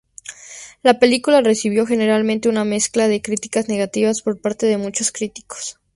La película recibió generalmente una mezcla de críticas negativas por parte de muchos críticos.